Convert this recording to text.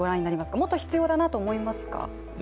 もっと必要だなと思いますか？